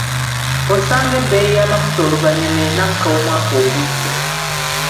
Osanga ebbeeyi y'amafuta oluvannyuma enakka omwaka ogujja.